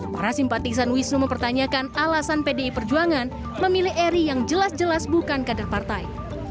para simpatisan wisnu mempertanyakan alasan pdi perjuangan memilih eri yang jelas jelas bukan kader partai